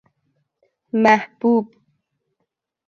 محبوب